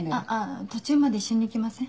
途中まで一緒に行きません？